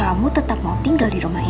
kamu tetap mau tinggal di rumah ini